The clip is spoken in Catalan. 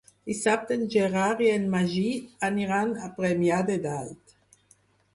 Dissabte en Gerard i en Magí aniran a Premià de Dalt.